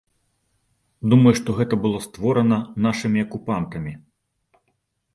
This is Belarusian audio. Думаю, што гэта было створана нашымі акупантамі.